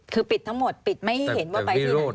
คือปิดทั้งหมดปิดไม่ให้เห็นว่าไปที่ไหน